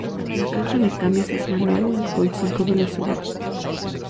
La caja de cambios es manual, con cinco velocidades.